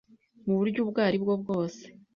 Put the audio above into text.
mu buryo ubwo ari bwo bwose.